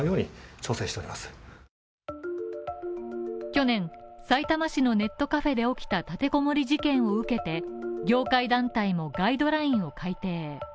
去年、さいたま市のネットカフェで起きた立て籠もり事件を受けて業界団体もガイドラインを改定。